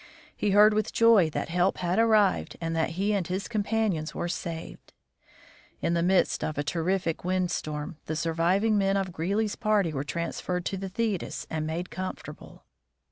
He heard with joy that help had arrived and that he and his companions were saved. In the midst of a terrific wind storm, the surviving men of Greely's party were transferred to the Thetis and made comfortable.